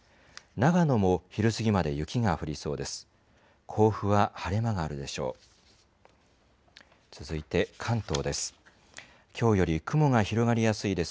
長野も昼過ぎまで雪が降りそうです。